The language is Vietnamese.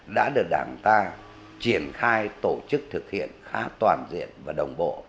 đã được đảng ta triển khai tổ chức thực hiện khá toàn diện và đồng bộ